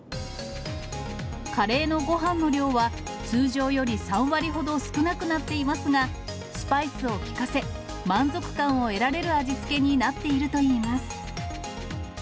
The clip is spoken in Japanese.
カレーのごはんの量は、通常より３割ほど少なくなっていますが、スパイスを効かせ、満足感を得られる味付けになっているといいます。